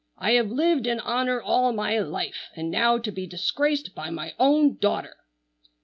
I have lived in honor all my life, and now to be disgraced by my own daughter!"